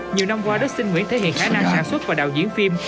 nhiều năm qua dustin nguyễn thể hiện khả năng sản xuất và đạo diễn phim